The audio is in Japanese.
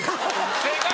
正解！